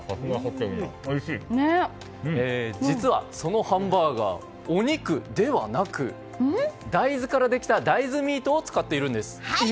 実は、そのハンバーガーお肉ではなく、大豆からできた大豆ミートを使っているんです。